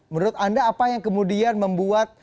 menurut anda apa yang kemudian membuat